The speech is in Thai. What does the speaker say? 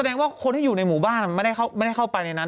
แสดงว่าคนที่อยู่ในหมู่บ้านไม่ได้เข้าไปในนั้น